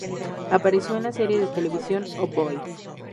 Apareció en la serie de televisión "Oh Boy!